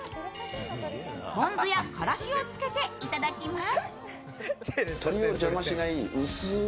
ポン酢やからしをつけていただきます。